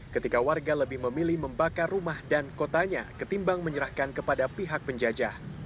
ketika warga lebih memilih membakar rumah dan kotanya ketimbang menyerahkan kepada pihak penjajah